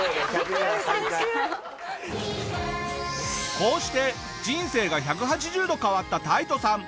こうして人生が１８０度変わったタイトさん。